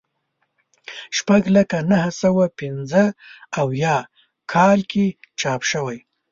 شپږ لکه نهه سوه پنځه اویا کال کې چاپ شوی.